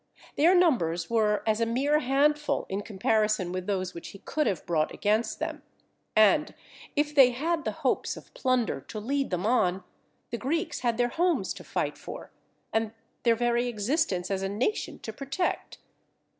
Their numbers were as a mere handful in comparison with those which he could have brought against them; and if they had the hopes of plunder to lead them on, the Greeks had their homes to fight for, and their very existence as a nation to protect.